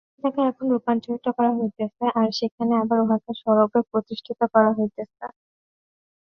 চিন্তাকে এখন রূপান্তরিত করা হইতেছে, আর সেখানে আবার উহাকে স্বরূপে প্রতিষ্ঠিত করা হইতেছে।